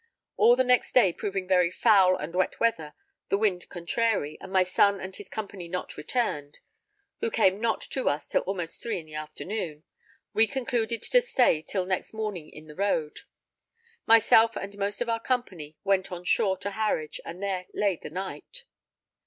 All the next day proving very foul and wet weather, the wind contrary, and my son and his company not returned (who came not to us till almost 3, afternoon) we concluded to stay till next morning in the road. Myself and most of our company went on shore to Harwich and there lay that night.